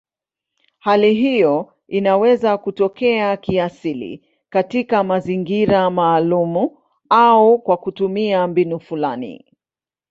Hali hiyo inaweza kutokea kiasili katika mazingira maalumu au kwa kutumia mbinu fulani.